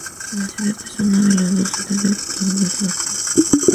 La ciudad es una de las dos sedes de condado de Sebastian.